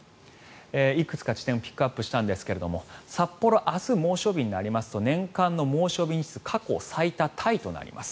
いくつか地点をピックアップしたんですが札幌、明日猛暑日になりますと年間の猛暑日日数過去最多タイとなります。